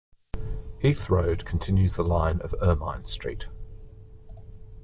Heath Road continues the line of Ermine Street.